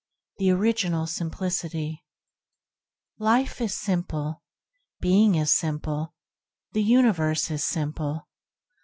THE "ORIGINAL SIMPLICITY" IFE is simple. Being is simple. The ^ universe is simple.